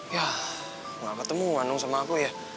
yah gak ketemu wannung sama aku ya